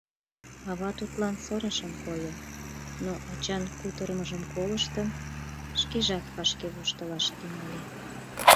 Ава тудлан сырышын койо, но, ачан кутырымыжым колыштын, шкежат вашке воштылаш тӱҥале.